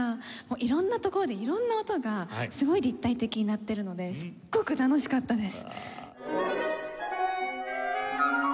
色んなところで色んな音がすごく立体的に鳴ってるのですっごく楽しかったです。